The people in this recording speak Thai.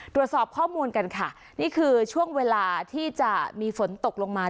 ตรวจสอบข้อมูลกันค่ะนี่คือช่วงเวลาที่จะมีฝนตกลงมา